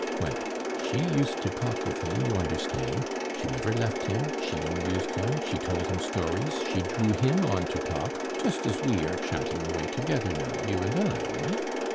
Well, she used to talk with him, you understand; she never left him, she amused him, she told him stories, she drew him on to talk (just as we are chatting away together now, you and I, eh?)